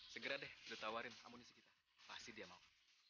segera deh udah tawarin amunisi kita pasti dia mau